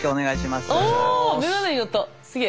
すげえ。